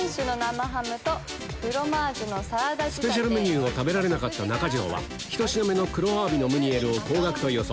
スペシャルメニューを食べられなかった中条は１品目の黒鮑のムニエルを高額と予想